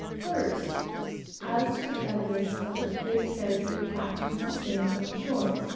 First, as to the evidence of the good character the captain sustains on shore.